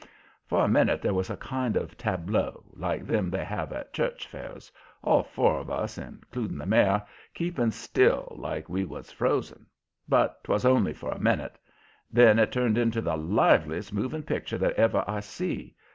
For a minute there was a kind of tableau, like them they have at church fairs all four of us, including the mare, keeping still, like we was frozen. But 'twas only for a minute. Then it turned into the liveliest moving picture that ever I see.